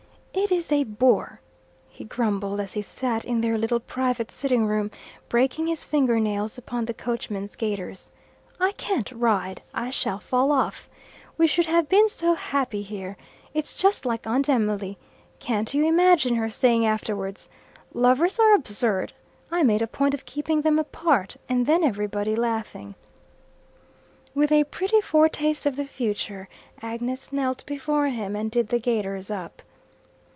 "It is a bore," he grumbled as he sat in their little private sitting room, breaking his finger nails upon the coachman's gaiters. "I can't ride. I shall fall off. We should have been so happy here. It's just like Aunt Emily. Can't you imagine her saying afterwards, 'Lovers are absurd. I made a point of keeping them apart,' and then everybody laughing." With a pretty foretaste of the future, Agnes knelt before him and did the gaiters up.